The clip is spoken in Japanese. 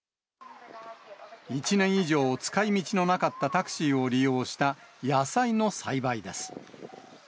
１年以上使いみちのなかった、タクシーを利用した野菜の栽培です。